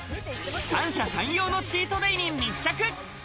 三者三様のチートデイに密着。